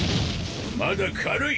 まだ軽い！